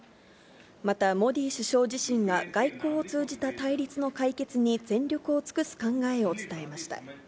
またモディ首相自身が外交を通じた対立の解決に全力を尽くす考えを伝えました。